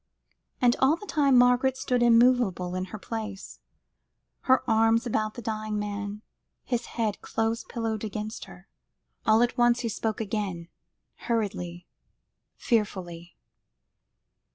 And all the time Margaret stood immovable in her place, her arms about the dying man, his head close pillowed against her. All at once he spoke again, hurriedly, fearfully.